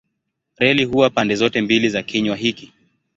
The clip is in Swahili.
Reli huwa pande zote mbili za kinywa hiki.